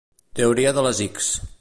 Teoria de les ics.